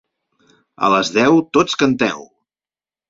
A les deu, tots canteu!